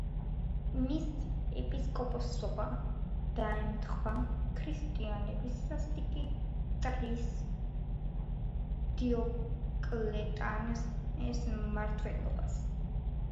მისი ეპისკოპოსობა დაემთხვა ქრისტიანების სასტიკი მტრის დიოკლეტიანეს მმართველობას.